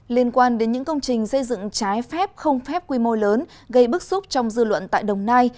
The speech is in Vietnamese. liên quan đến những công trình xây dựng trái phép không phép quy mô lớn gây bức xúc trong dư luận tại đồng nai